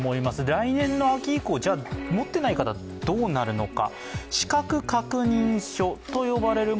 来年の秋以降、持っていない方どうなるのか。